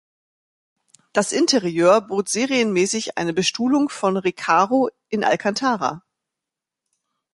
Das Interieur bot serienmäßig eine Bestuhlung von Recaro in Alcantara.